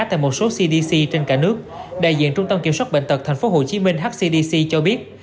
tại một số cdc trên cả nước đại diện trung tâm kiểm soát bệnh tật tp hcm hcdc cho biết